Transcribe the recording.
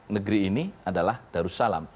negeri ini adalah darussalam